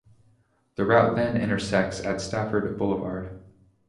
The route then intersects at Stafford Boulevard.